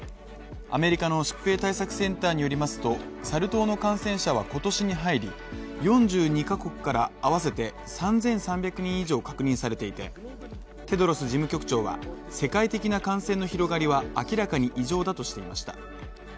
アメリカの疾病対策センターによりますと、サル痘の感染者は今年に入り、４２カ国から、合わせて３３００人以上確認されていて、テドロス事務局長は世界的な感染の広がりは明らかに異常だとしていました。